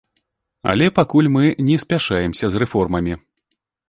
Але пакуль мы не спяшаемся з рэформамі.